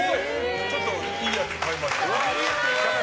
ちょっといいやつ買いました。